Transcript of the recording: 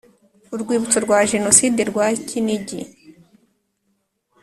Urwibutso rwa Jenoside rwa Kinigi